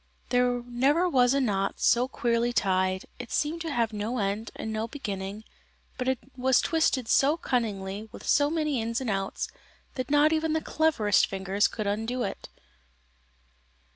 There never was a knot so queerly tied; it seemed to have no end and no beginning, but was twisted so cunningly, with so many ins and outs, that not even the cleverest fingers could undo it.